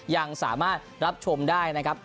ยังสามารถรับชมได้นะครับ